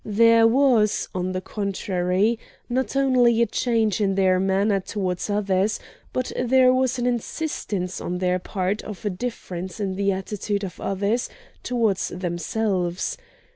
There was, on the contrary, not only a change in their manner towards others, but there was an insistence on their part of a difference in the attitude of others towards themselves.